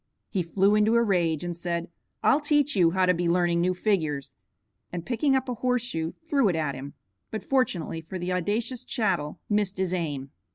He flew into a rage, and said, "I'll teach you how to be learning new figures," and picking up a horse shoe threw it at him, but fortunately for the audacious chattel, missed his aim.